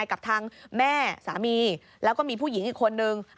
กับทางแม่สามีแล้วก็มีผู้หญิงอีกคนนึง